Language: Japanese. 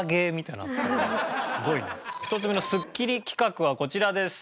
１つ目のスッキリ企画はこちらです。